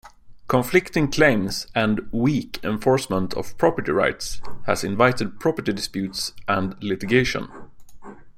Conflicting claims and weak enforcement of property rights has invited property disputes and litigation.